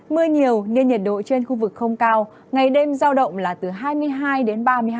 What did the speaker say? mưa nhiều nên nhiệt độ trên khu vực không cao ngày đêm giao động là từ hai mươi hai đến ba mươi hai độ